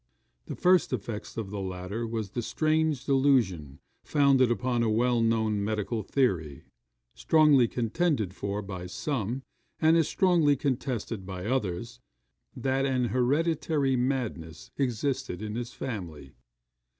The first effects of the latter was the strange delusion, founded upon a well known medical theory, strongly contended for by some, and as strongly contested by others, that an hereditary madness existed in his family.